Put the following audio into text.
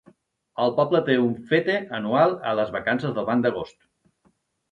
El poble té una FETE anual a les vacances del Banc d'agost.